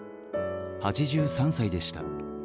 ８３歳でした。